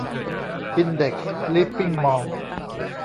อินเด็กซ์ ลิฟวิ่งมอลล์